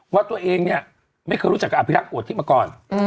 ว่าตัวเองไม่เคยรู้จักกับอภิรักษ์กวดทิ้งมาก่อน